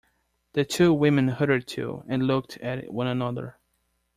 The two women heard it too, and looked at one another.